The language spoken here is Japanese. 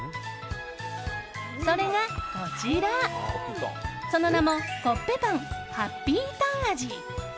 それがこちら、その名もコッペパンハッピーターン味。